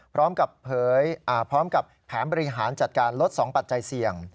พร้อมกับแผนบริหารจัดการลด๒ปัจจัยเสี่ยง